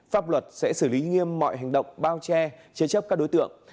pháp luật sẽ xử lý nghiêm mọi hành động bao che chế chấp các đối tượng